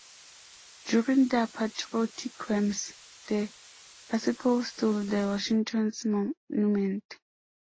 During their Patriotic Crimes, the Icicle stole the Washington Monument.